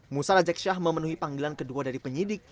musa rajeksah memenuhi panggilan kedua dari penyidik